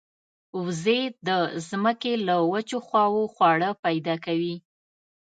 وزې د زمکې له وچو خواوو خواړه پیدا کوي